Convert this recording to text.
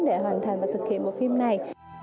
để hoàn thành và thực hiện bộ phim này